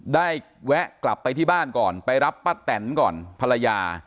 แวะกลับไปที่บ้านก่อนไปรับป้าแตนก่อนภรรยา